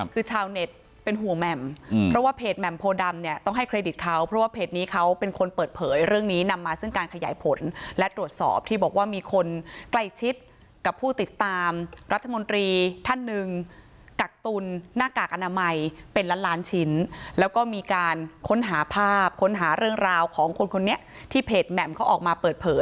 คือชาวเน็ตเป็นห่วงแหม่มเพราะว่าเพจแหม่มโพดำเนี่ยต้องให้เครดิตเขาเพราะว่าเพจนี้เขาเป็นคนเปิดเผยเรื่องนี้นำมาซึ่งการขยายผลและตรวจสอบที่บอกว่ามีคนใกล้ชิดกับผู้ติดตามรัฐมนตรีท่านหนึ่งกักตุลหน้ากากอนามัยเป็นล้านล้านชิ้นแล้วก็มีการค้นหาภาพค้นหาเรื่องราวของคนคนนี้ที่เพจแหม่มเขาออกมาเปิดเผย